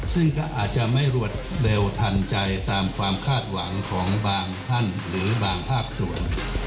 ซึ่งก็อาจจะไม่รวดเร็วทันใจตามความคาดหวังของบางท่านหรือบางภาคส่วน